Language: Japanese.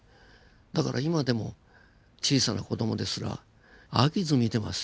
だから今でも小さな子供ですら飽きず見てますよ。